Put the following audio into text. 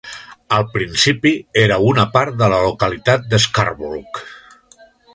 Al principi era una part de la localitat de Scarborough.